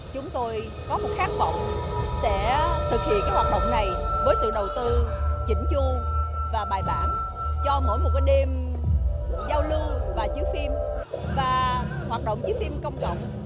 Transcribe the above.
chúng tôi có một khát bọng sẽ thực hiện các hoạt động này với sự đầu tư chỉnh chuông và bài bản cho mỗi một cái đêm giao lưu và chứa phim và hoạt động chứa phim bản bản